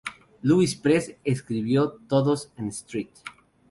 Louis Press, escribió: "Todos en St.